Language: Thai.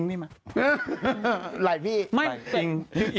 อิ่งเนี่ยมึง